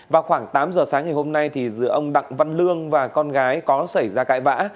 vào khoảng tám giờ sáng ngày hôm nay giữa ông đặng văn lương và con gái có xảy ra cãi vã